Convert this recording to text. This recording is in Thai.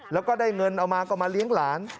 แล้วก็ได้เงินเอามาก็มาเลี้ยงหลาน